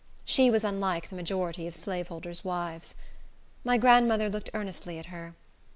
She was unlike the majority of slaveholders' wives. My grandmother looked earnestly at her.